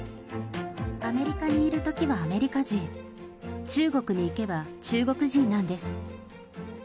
アメリカにいるときはアメリカ人、中国に行けば中国人なんです。